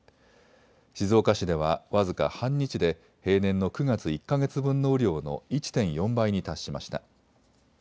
静岡市では僅か半日で平年の９月１か月分の雨量の１．４倍に達しました。